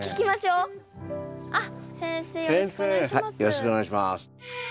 よろしくお願いします。